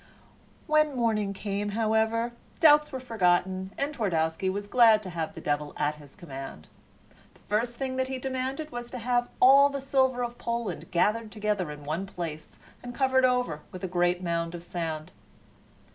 When morning came, however, doubts were forgotten, and Twardowski was glad to have the devil at his command. The first thing that he demanded was to have all the silver of Poland gathered together in one place and covered over with great mounds of sand.